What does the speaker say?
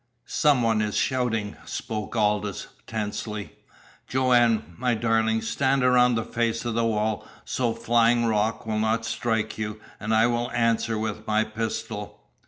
"Some one is shouting," spoke Aldous tensely. "Joanne, my darling, stand around the face of the wall so flying rock will not strike you and I will answer with my pistol!"